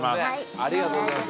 ありがとうございます。